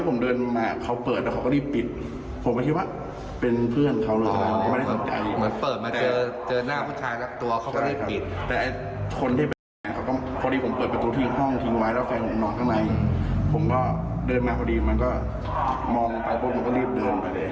ผมก็เดินมาพอดีมันก็มองไปพวกมันก็รีบเดินไปเลย